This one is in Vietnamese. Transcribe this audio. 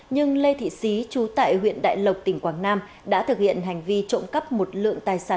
nhưng lê thị xí trú tại huyện đại lộc tỉnh quảng nam đã thực hiện hành vi trộm cắp một lượng tài sản lớn của gia chủ